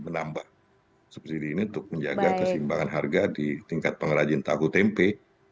menambah subsidi ini untuk menjaga keseimbangan harga di tingkat pengrajin tahu tempe